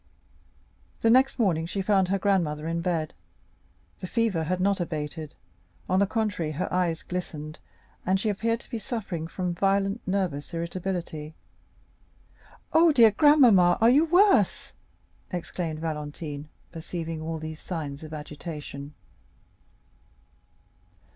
The next morning she found her grandmother in bed; the fever had not abated, on the contrary her eyes glistened and she appeared to be suffering from violent nervous irritability. "Oh, dear grandmamma, are you worse?" exclaimed Valentine, perceiving all these signs of agitation.